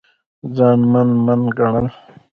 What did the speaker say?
ځان من من ګڼل